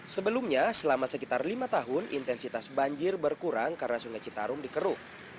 sebelumnya selama sekitar lima tahun intensitas banjir berkurang karena sungai citarum dikeruk